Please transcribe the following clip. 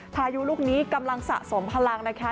พายุลูกนี้กำลังสะสมพลังนะคะ